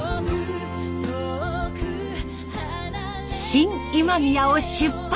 新今宮を出発！